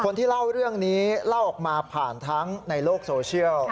คนที่เล่าเรื่องนี้เล่าออกมาผ่านทั้งในโลกโซเชียล